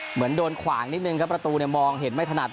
เหมือนโดนขวางนิดนึงครับประตูเนี่ยมองเห็นไม่ถนัด